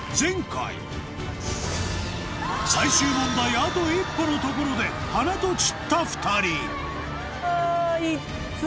あと一歩のところで花と散った２人